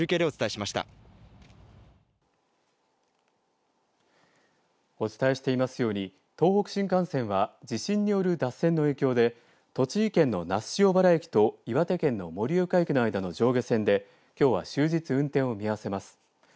お伝えしていますように東北新幹線は地震による脱線の影響で栃木県の那須塩原駅と岩手県の盛岡駅の間の上下線できょうは終日運転を見合わせます。